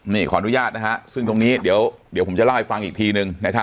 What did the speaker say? นี่ขออนุญาตนะฮะซึ่งตรงนี้เดี๋ยวผมจะเล่าให้ฟังอีกทีนึง